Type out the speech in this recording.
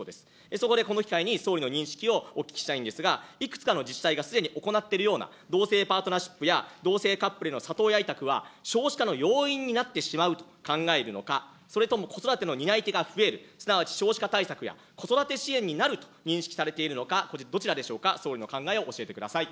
そこでこの機会に総理の認識をお聞きしたいんですが、いくつかの自治体がすでに行っているような同性パートナーシップや同性カップルへの里親委託は、少子化の要因になってしまうと考えるのか、それとも子育ての担い手が増える、すなわち少子化対策や子育て支援になると認識されているのか、どちらでしょうか、総理のお考えを教えてください。